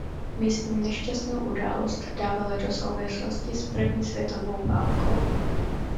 Místní nešťastnou událost dávali do souvislosti s první světovou válkou.